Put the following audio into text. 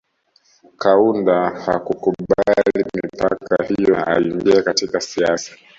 Kaunda hakukubali mipaka hiyo na aliingia katika siasa